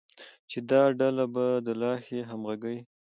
چې دا ډله به د لا ښې همغږۍ،